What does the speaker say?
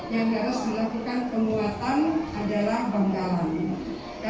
yang harus dilakukan kemuatan adalah bangkalan